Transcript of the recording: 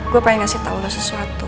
gue pengen kasih tahu lo sesuatu